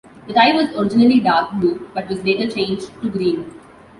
The tie was originally dark blue but was later changed to green.